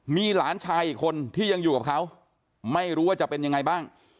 มีหลานชายอีกคนที่ยังอยู่กับเขาไม่รู้ว่าจะเป็นยังไงบ้าง